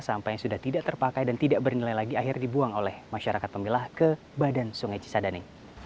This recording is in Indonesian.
sampah yang sudah tidak terpakai dan tidak bernilai lagi akhirnya dibuang oleh masyarakat pemilah ke badan sungai cisadane